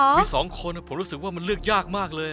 มี๒คนผมรู้สึกว่ามันเลือกยากมากเลย